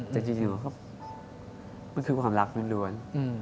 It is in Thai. แต่จริงมันคือความรักล้วน